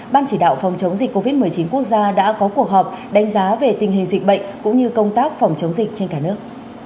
ban chỉ đạo phòng chống dịch covid một mươi chín quốc gia đã có cuộc họp đánh giá về tình hình dịch bệnh cũng như công tác phòng chống dịch trên cả nước